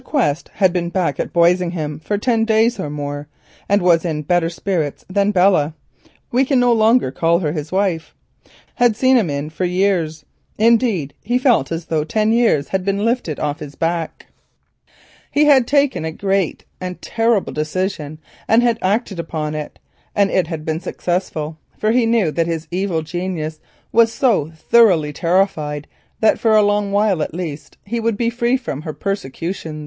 Quest had been back at Boisingham for ten days or more, and was more cheerful than Belle (we can no longer call her his wife) had seen him for many a day. Indeed he felt as though ten years had been lifted off his back. He had taken a great and terrible decision and had acted upon it, and it had been successful, for he knew that his evil genius was so thoroughly terrified that for a long while at least he would be free from her persecution.